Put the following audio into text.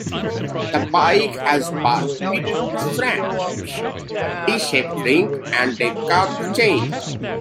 The bit has bit shanks, D-shaped rings, and a curb chain.